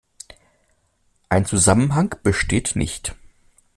Ein Zusammenhang besteht nicht.